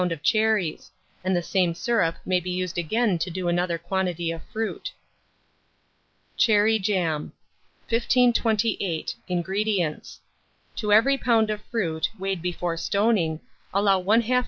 of cherries, and the same syrup may be used again to do another quantity of fruit. CHERRY JAM. 1528. INGREDIENTS. To every lb. of fruit, weighed before stoning, allow 1/2 lb.